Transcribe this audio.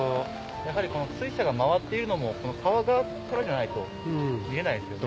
やはりこの水車が回っているのもこの川側からじゃないと見えないですよね。